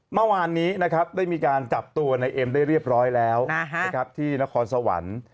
เมื่อวานนี้นะครับได้มีการจับตัวในเอ็มได้เรียบร้อยแล้วที่นครสวรรค์